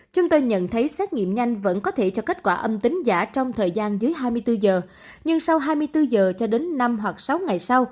chúng tôi nhận thấy xét nghiệm nhanh vẫn có thể cho kết quả âm tính giả trong thời gian dài